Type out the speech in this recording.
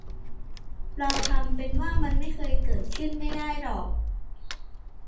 เราทำเป็นว่ามันไม่เคยเกิดขึ้นไม่ได้หรอก